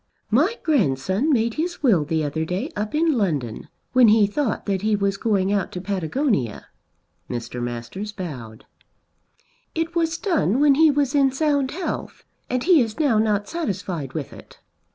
"My grandson made his will the other day up in London, when he thought that he was going out to Patagonia." Mr. Masters bowed. "It was done when he was in sound health, and he is now not satisfied with it."